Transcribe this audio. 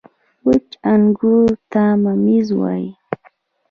• وچ انګور ته مميز وايي.